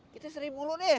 kita seri bulu nih